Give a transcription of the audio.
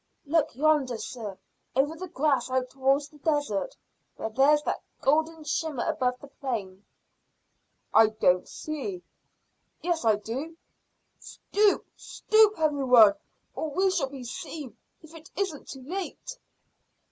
"Look yonder, sir, over the grass out towards the desert where there's that golden shimmer above the plain." "I don't see yes, I do. Stoop, stoop, every one, or we shall be seen, if it isn't too late."